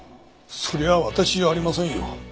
それは私じゃありませんよ。